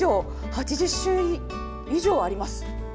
８０種以上あります。